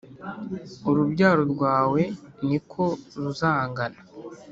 urubyaro rwawe ni ko ruzangana